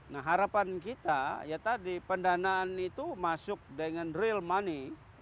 nah harapan kita ya tadi pendanaan itu masuk dengan real money